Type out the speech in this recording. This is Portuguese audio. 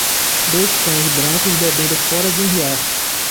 dois cães brancos bebendo fora de um riacho